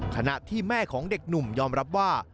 ขณะที่แม่ของเด็กหนุ่มยอมรับว่า